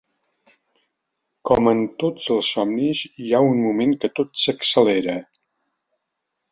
Com en tots els somnis, hi ha un moment que tot s'accelera.